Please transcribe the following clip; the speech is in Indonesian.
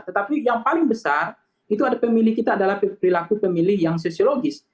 tetapi yang paling besar itu ada pemilih kita adalah perilaku pemilih yang sosiologis